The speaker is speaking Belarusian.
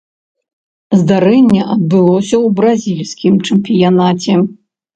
Здарэнне адбылося ў бразільскім чэмпіянаце.